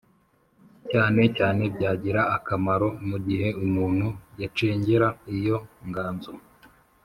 cyane cyane byagira akamaro mu gihe umuntu yacengera iyo nganzo,